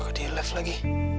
ya kok dia left lagi